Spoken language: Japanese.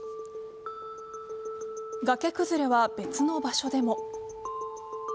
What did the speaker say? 崖崩れは別の場所でも。